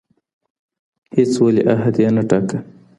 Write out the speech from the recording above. هیڅ ولیعهد یې نه ټاکه.